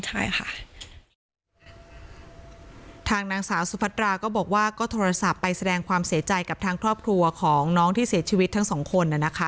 ใช่ค่ะทางนางสาวสุพัตราก็บอกว่าก็โทรศัพท์ไปแสดงความเสียใจกับทางครอบครัวของน้องที่เสียชีวิตทั้งสองคนน่ะนะคะ